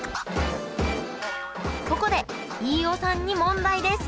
ここで飯尾さんに問題です！